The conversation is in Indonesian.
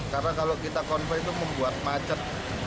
karena kalau kita konvoy itu membuat macet